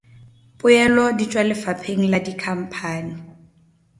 Poelo di tšwa lefapheng la dikhamphani.